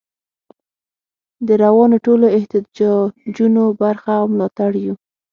د روانو ټولو احتجاجونو برخه او ملاتړ یو.